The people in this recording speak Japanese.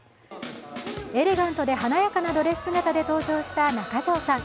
エレガントで華やかなドレス姿で登場した中条さん。